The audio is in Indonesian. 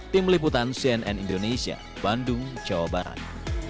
tim liputan cnn indonesia bandung jawa barat